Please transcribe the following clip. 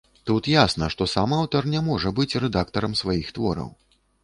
Тут ясна, што сам аўтар не можа быць рэдактарам сваіх твораў.